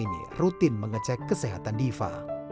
ini rutin mengecek kesehatan diva